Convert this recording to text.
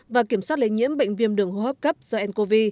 và kiểm soát lây nhiễm bệnh viêm đường hô hấp cấp do ncov